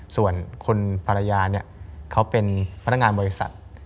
ส่วนคนภรรยาเนี่ยเขาเป็นพนักงานบริษัท